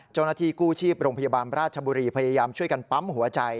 เจ้าหน้าที่กู้ชีพโรงพยาบาลราชบุรีพยายามช่วยกันปั๊มหัวใจ